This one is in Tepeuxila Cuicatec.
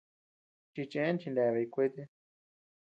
Chichëen chineabay kuete.